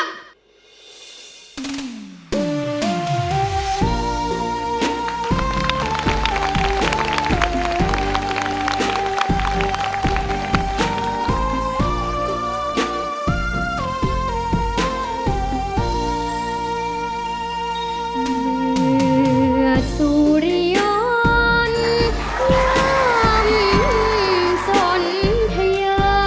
เหมือนสู่รยานย่ำสนเทย่อ